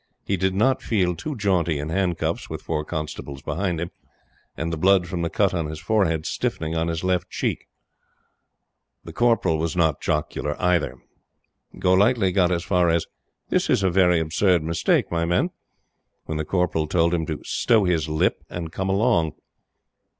He did not feel too jaunty in handcuffs, with four constables behind him, and the blood from the cut on his forehead stiffening on his left cheek. The Corporal was not jocular either. Golightly got as far as "This is a very absurd mistake, my men," when the Corporal told him to "stow his lip" and come along.